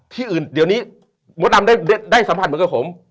ที่อื่นเดี๋ยวนี้มดดำได้สัมผัสเหมือนกับผม